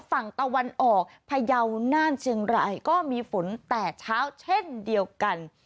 ฝั่งตะวันออกพยาวน่านเชียงรายก็มีฝนแต่เช้าเช่นเดียวกัน